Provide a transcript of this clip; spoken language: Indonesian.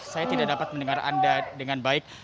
saya tidak dapat mendengar anda dengan baik